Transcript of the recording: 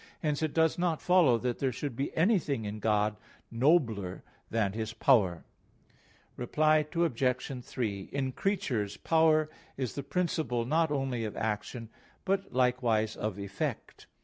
Hence it does not follow that there should be anything in God nobler than His power. Reply Obj. 3: In creatures, power is the principle not only of action, but likewise of effect.